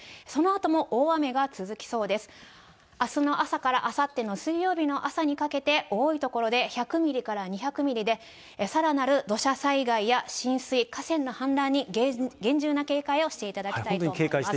あすの朝からあさっての水曜日の朝にかけて、多い所で１００ミリから２００ミリで、さらなる土砂災害や浸水、河川の氾濫に厳重な警戒をしていただきたいと思います。